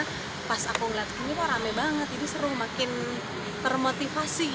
sama pas aku ngeliat kini tuh rame banget jadi seru makin termotivasi